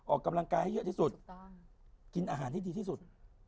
ออกกำลังกายให้เยอะที่สุดกินอาหารให้ดีที่สุด